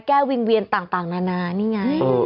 วิงเวียนต่างนานานี่ไง